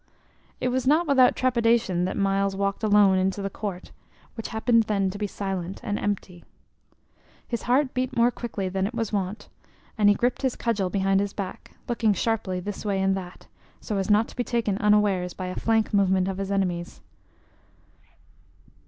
It was not without trepidation that Myles walked alone into the court, which happened then to be silent and empty. His heart beat more quickly than it was wont, and he gripped his cudgel behind his back, looking sharply this way and that, so as not to be taken unawares by a flank movement of his enemies.